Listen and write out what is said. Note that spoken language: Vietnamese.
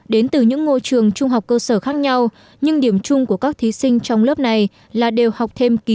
đến từ những ngôi trường trung học cơ sở khác nhau nhưng điểm chung của các thí sinh trong lớp này là đều học thêm kín